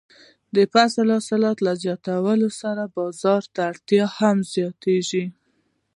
د فصل د حاصلاتو له زیاتوالي سره بازار ته اړتیا هم زیاتیږي.